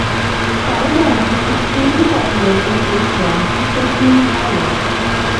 Paradorn is extremely popular in Asia, especially in Thailand.